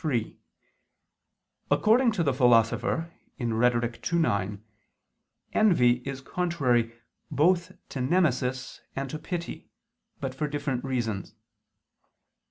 3: According to the Philosopher (Rhet. ii, 9), envy is contrary both to nemesis and to pity, but for different reasons.